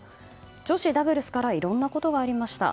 女子ダブルスからいろんなことがありました。